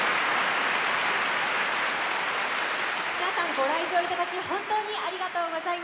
ご来場いただき本当にありがとうございます。